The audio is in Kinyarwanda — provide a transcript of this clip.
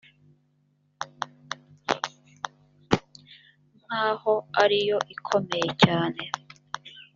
nk aho ari yo ikomeye cyane